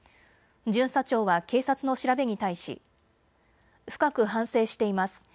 巡査長は警察の調べに対し、深く反省しています。